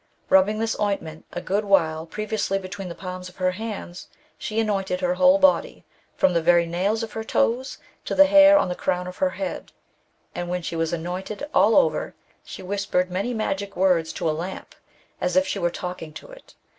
Rubbing this ointment a good while previously between the palms of her hands, she anointed her whole body, from the very nails of her toes to the hair on the crown of her head, and when she was anointed all over, she whispered many magic words to a lamp, as if she were talking to it.